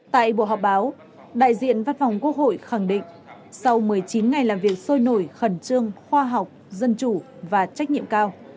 tại buổi họp báo đại diện văn phòng quốc hội khẳng định sau một mươi chín ngày làm việc sôi nổi khẩn trương khoa học dân chủ và trách nhiệm cao